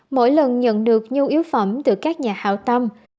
mỗi lần nhận được nhu yếu phẩm từ các nhà hào tâm